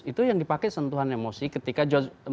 itu yang dipakai sentuhan emosi ketika george